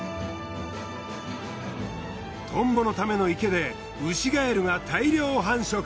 トンボのための池でウシガエルが大量繁殖。